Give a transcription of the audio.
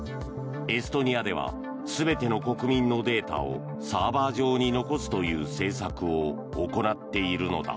エストニアでは全ての国民のデータをサーバー上に残すという政策を行っているのだ。